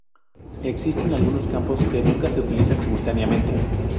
Existen algunos campos que nunca se utilizan simultáneamente.